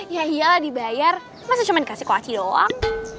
ya iyalah dibayar masih cuma dikasih koach doang